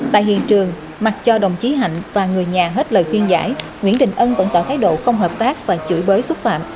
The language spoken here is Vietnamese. tại hiện trường mặc cho đồng chí hạnh và người nhà hết lời khuyên giải nguyễn đình ân vẫn tỏ thái độ không hợp tác và chửi bới xúc phạm